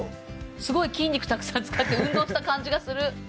すごい筋肉たくさん使って運動した感じがする。